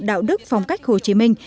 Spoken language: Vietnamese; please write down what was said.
đạo đức phong cách hồ chí minh